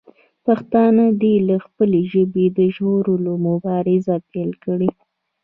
پښتانه دې د خپلې ژبې د ژغورلو مبارزه پیل کړي.